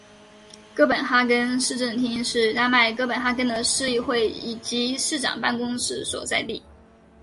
哥本哈根市政厅是丹麦哥本哈根的市议会以及市长办公室所在地。